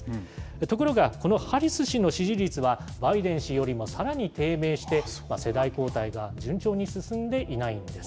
ところが、このハリス氏の支持率は、バイデン氏よりもさらに低迷して、世代交代が順調に進んでいないんです。